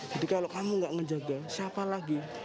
jadi kalau kamu nggak ngejaga siapa lagi